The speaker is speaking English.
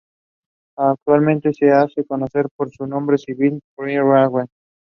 Apical emargination is deep and acute.